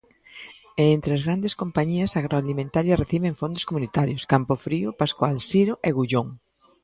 E entre as grandes compañías agroalimentarias, reciben fondos comunitarios Campofrío, Pascual, Siro e Gullón.